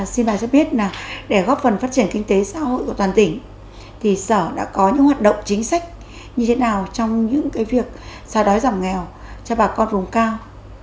xin bà cho biết là để góp phần phát triển kinh tế xã hội của toàn tỉnh thì sở đã có những hoạt động chính sách như thế nào trong những việc xóa đói giảm nghèo cho bà con vùng cao